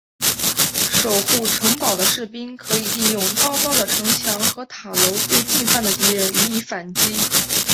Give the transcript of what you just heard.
守护城堡的士兵可以利用高高的城墙和塔楼对进犯的敌人予以反击。